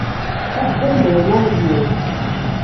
Af-d anda yella Meẓyan.